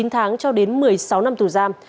chín tháng cho đến một mươi sáu năm tù giam